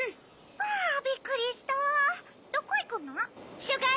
あびっくりしたどこいくの？